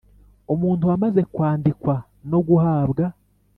Umuntu wamaze kwandikwa no guhabwa